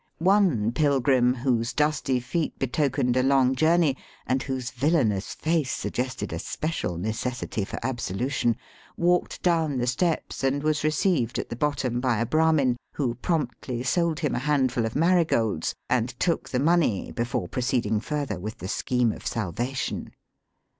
One pilgrim, whose dusty feet betokened a long journey, and whose villainous face sug gested a special necessity for absolution. Digitized by VjOOQIC THE HOLY CITY, 209 walked down the steps, and was received at the bottom by a Brahmin, who promptly sold him a handful of marigolds, and took the money before proceeding further with the scheme of salvation.